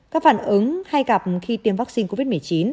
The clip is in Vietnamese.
các phản ứng hay gặp khi tiêm vaccine covid một mươi chín